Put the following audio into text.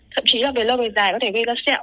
thậm chí là về lâu về dài có thể gây ra sẹo